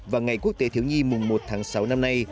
và ngày quốc tế thiếu nhi mùng một tháng sáu năm nay